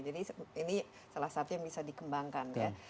jadi ini salah satu yang bisa dikembangkan ya